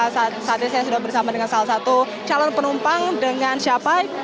saat ini saya sudah bersama dengan salah satu calon penumpang dengan siapa